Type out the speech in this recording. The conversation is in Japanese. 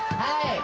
はい！